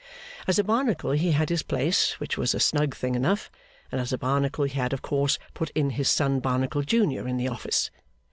As a Barnacle he had his place, which was a snug thing enough; and as a Barnacle he had of course put in his son Barnacle Junior in the office.